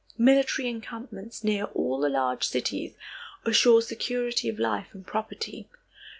Military encampments near all the large cities assure security of life and property.